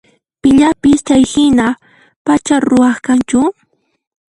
Pillapis chayhina p'acha ruwaq kanchu?